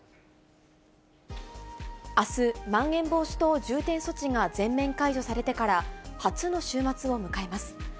あす、まん延防止等重点措置が全面解除されてから、初の週末を迎えます。